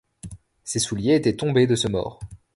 Ces souliers étaient tombés de ce mort.